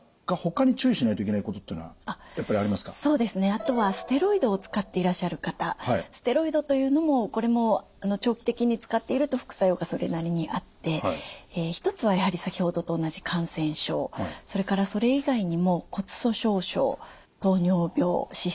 あとはステロイドを使っていらっしゃる方ステロイドというのもこれも長期的に使っていると副作用がそれなりにあって一つはやはり先ほどと同じ感染症それからそれ以外にも骨粗しょう症糖尿病脂質異常症高血圧